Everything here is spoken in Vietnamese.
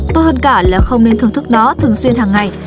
tốt hơn cả là không nên thưởng thức nó thường xuyên hàng ngày